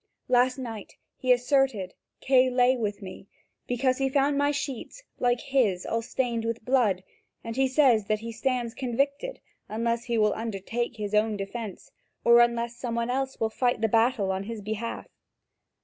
Last night, he asserted, Kay lay with me, because he found my sheets, like his, all stained with blood; and he says that he stands convicted, unless he will undertake his own defence, or unless some one else will fight the battle on his behalf."